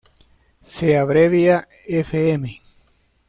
Se abrevia fm.